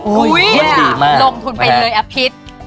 อุ้ยลงทุนไปเลยอะพิษ